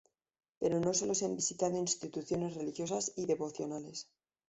Pero no sólo se han visitado instituciones religiosas y devocionales.